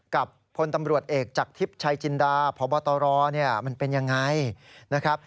กับพลตำรวจเอกจากทิพย์ชายจินดาพบตรมันเป็นอย่างไร